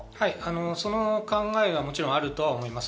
その考えはもちろんあると思います。